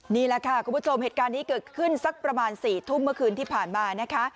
นี่แหละค่ะคุณผู้ชมเหตุการณ์นี้เกิดขึ้นสักประมาณ๔ทุ่มเมื่อคืนที่ผ่านมานะคะ